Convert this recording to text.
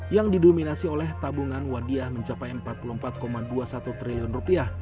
yang didominasi oleh tabungan wadiah mencapai empat puluh empat dua puluh satu triliun rupiah